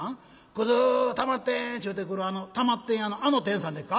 『くずたまってん』ちゅうてくるあのたまってん屋のあの天さんでっか？